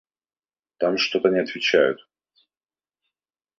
– Там что-то не отвечают.